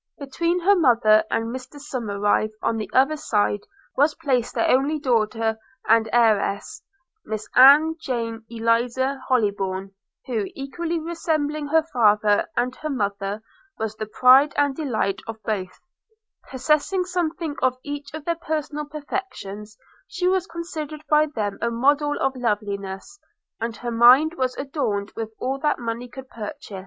Between her mother and Mr Somerive, on the other side, was placed their only daughter and heiress, Miss Ann Jane Eliza Hollybourn, who, equally resembling her father and her mother, was the pride and delight of both: possessing something of each of their personal perfections, she was considered by them a model of loveliness; and her mind was adorned with all that money could purchase.